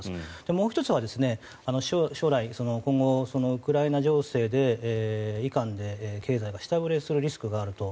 もう１つは将来今後、ウクライナ情勢いかんで経済が下振れするリスクがあると。